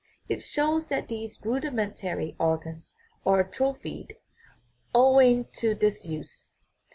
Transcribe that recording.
It shows that these rudimentary organs are atrophied, owing to disuse.